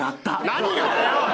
何がだよ！